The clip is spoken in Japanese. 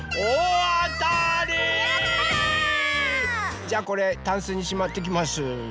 じゃあこれタンスにしまってきます。